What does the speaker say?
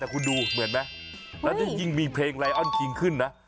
แต่คุณดูเหมือนไหมแล้วถ้ายิ่งมีเพลงไลออนคิงขึ้นนะ